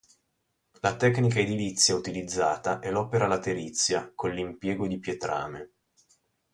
La tecnica edilizia utilizzata è l'opera laterizia, con l'impiego di pietrame.